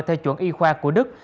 theo chuẩn y khoa của đức